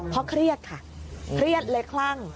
เพราะเครียดค่ะเครียดเลยคลั่ง